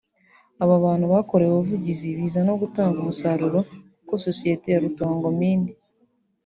aba bantu bakorewe ubuvugizi biza no gutanga umusaruro kuko sosiyete ya Rutongo Mine